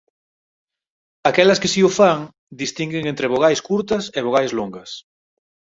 Aquelas que si o fan distinguen entre "vogais curtas" e "vogais longas".